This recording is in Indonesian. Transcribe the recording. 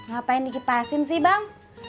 gapain dikipasin sih bang